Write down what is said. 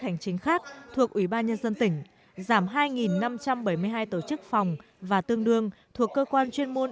hành chính khác thuộc ủy ban nhân dân tỉnh giảm hai năm trăm bảy mươi hai tổ chức phòng và tương đương thuộc cơ quan chuyên môn